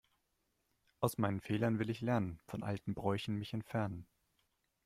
Aus meinen Fehlern will ich lernen, von alten Bräuchen mich entfernen.